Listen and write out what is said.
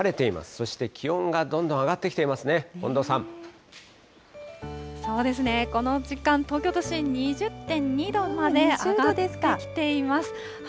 そして気温がどんどん上がってきそうですね、この時間、東京都心、２０．２度まで上がってきています。